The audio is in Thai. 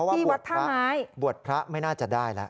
เพราะว่าบวชพระไม่น่าจะได้แล้ว